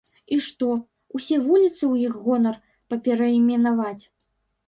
І што, усе вуліцы ў іх гонар паперайменаваць?